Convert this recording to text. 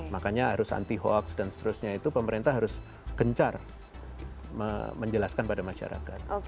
makanya harus anti hoax dan seterusnya itu pemerintah harus gencar menjelaskan pada masyarakat